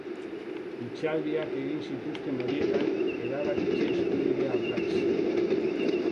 Hitzaldiak egin zituzten horietan, erabakitze eskubidea ardatz.